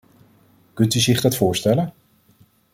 Kunt u zich dat voorstellen?